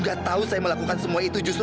apa ini fitnah mas